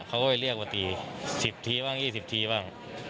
เขาก็ไปเรียกมาตี๑๐ทีบ้าง๒๐ทีบ้าง